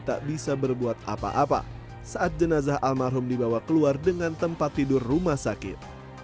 tak bisa berbuat apa apa saat jenazah almarhum dibawa keluar dengan tempat tidur rumah sakit